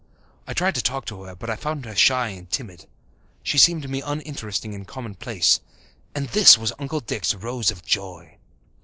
I tried to talk to her, but I found her shy and timid. She seemed to me uninteresting and commonplace. And this was Uncle Dick's Rose of joy!